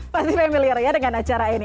pasti familiar ya dengan acara ini